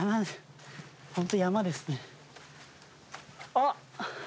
あっ！